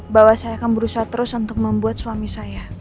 bahwa saya akan berusaha terus untuk membuat suami saya